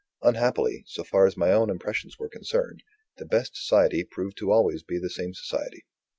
Unhappily, so far as my own impressions were concerned, the best society proved to be always the same society.